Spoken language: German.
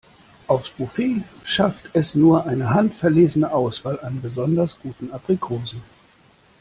Aufs Buffet schafft es nur eine handverlesene Auswahl an besonders guten Aprikosen.